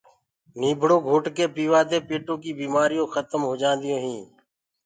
نيٚڀڙو گھوٽ ڪي پيوآ دي پيٽو ڪيٚ بيمآريونٚ کتم هوجآنٚديونٚ هينٚ